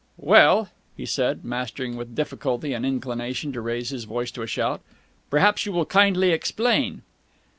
"Well," he said, mastering with difficulty an inclination to raise his voice to a shout, "perhaps you will kindly explain?"